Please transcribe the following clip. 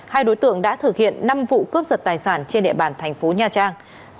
hai đối tượng đã thực hiện năm vụ cướp giật tài sản trên địa bàn thành phố nha trang